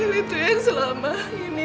daniel itu yang selama ini